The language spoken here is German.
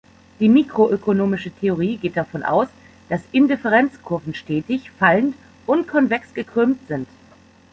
Die mikroökonomische Theorie geht davon aus, dass Indifferenzkurven stetig, fallend und konvex gekrümmt sind.